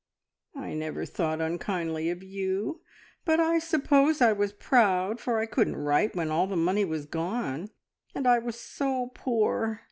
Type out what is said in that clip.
"I never thought unkindly of you, but I suppose I was proud, for I couldn't write when all the money was gone, and I was so poor.